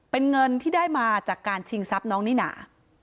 เป็นเงินที่ได้มาจากการชิงทรัพย์น้องนิน่า